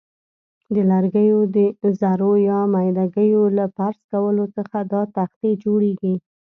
د لرګیو ذرو یا میده ګیو له پرس کولو څخه دا تختې جوړیږي.